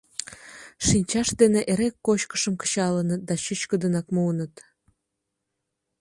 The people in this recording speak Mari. Шинчашт дене эре кочкышым кычалыныт да чӱчкыдынак муыныт.